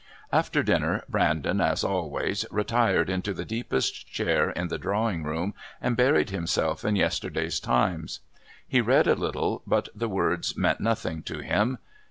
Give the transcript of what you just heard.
After dinner, Brandon, as always, retired into the deepest chair in the drawing room and buried himself in yesterday's Times. He read a little, but the words meant nothing to him.